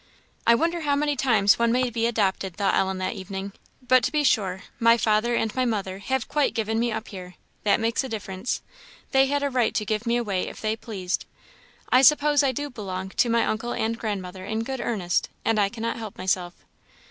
"I wonder how many times one may be adopted," thought Ellen that evening; "but, to be sure, my father and my mother have quite given me up here that makes a difference; they had a right to give me away if they pleased. I suppose I do belong to my uncle and grandmother in good earnest, and I cannot help myself.